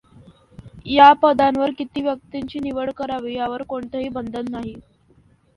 या पदांवर किती व्यक्तींची निवड करावी यावर कोणतेही बंधन नाही.